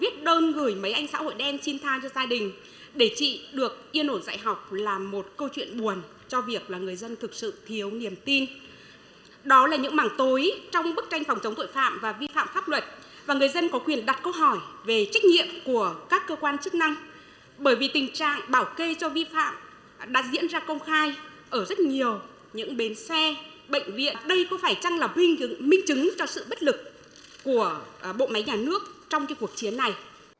tuy nhiên đại biểu nguyễn thị mai hoa đoàn đại biểu quốc hội tỉnh đồng tháp cho rằng hiện tình hình tội phạm và vi phạm pháp luật và người dân có quyền đặt câu hỏi về trách nhiệm của các cơ quan chức năng bởi vì tình trạng bảo kê cho vi phạm đã diễn ra công khai ở rất nhiều những bến xe bệnh viện đây có phải chăng là minh chứng cho sự bất lực của bộ máy nhà nước trong cuộc chiến này